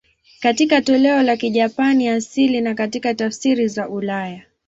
Katika toleo la Kijapani asili na katika tafsiri za ulaya.